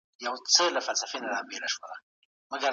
ولې اقتصادي پرمختیا د هر هیواد لپاره اړینه ده؟